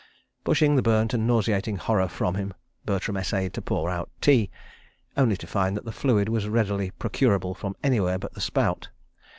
... Pushing the burnt and nauseating horror from him, Bertram essayed to pour out tea, only to find that the fluid was readily procurable from anywhere but the spout.